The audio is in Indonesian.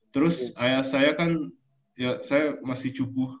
terus saya kan ya saya masih cukup